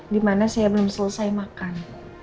dimana saya belum selesai makan